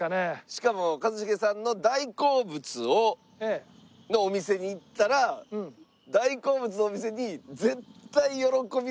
しかも一茂さんの大好物のお店に行ったら大好物のお店に今日は。